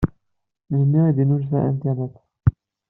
Melmi i d-innulfa internet?